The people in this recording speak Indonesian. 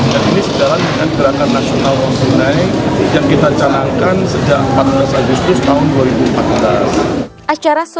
dan ini secara dengan gerakan nasional non tunai yang kita jalankan sejak empat belas agustus tahun dua ribu empat belas